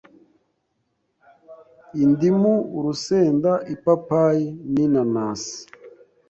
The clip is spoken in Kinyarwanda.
indimu, urusenda, ipapayi n’inanasi